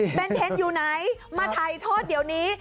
เป็นเทนอยู่ไหนมาถ่ายโทษเดี๋ยวนี้